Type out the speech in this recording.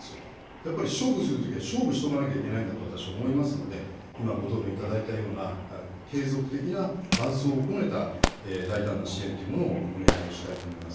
やっぱり勝負するときは勝負しとかないといけないんだと、私思いますので、今ご答弁いただいたような継続的な伴走を含めた大胆な支援というものをお願いをしたいと思います。